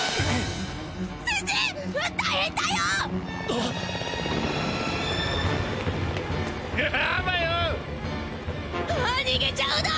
ああにげちゃうだ。